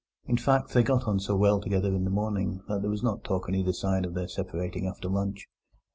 In fact, they got on so well together in the morning that there was no talk on either side of their separating after lunch.